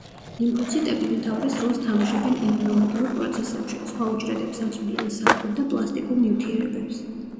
ლიმფოციტები უმთავრეს როლს თამაშობენ იმუნოლოგიურ პროცესებში, სხვა უჯრედებს აწვდიან საკვებ და პლასტიკურ ნივთიერებებს.